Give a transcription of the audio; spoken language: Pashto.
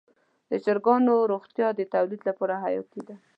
د چرګانو روغتیا د تولید لپاره حیاتي ده.